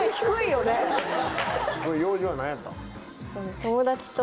用事は何やったん？